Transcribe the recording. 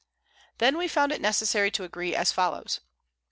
Cha. Pope, Then we found it necessary to agree as follows.